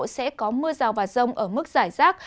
sẽ có mưa rào và rông ở mức giải rác